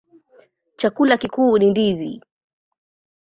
Chakula kikuu ni ndizi.